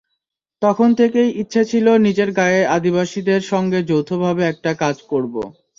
তখন থেকেই ইচ্ছে ছিল নিজের গাঁয়ের আদিবাসীদের সঙ্গে যৌথভাবে একটা কাজ করব।